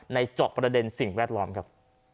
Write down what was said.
เจาะประเด็นสิ่งแวดล้อมครับ